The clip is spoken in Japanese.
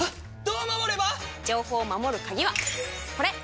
どう守れば⁉情報を守る鍵はこれ！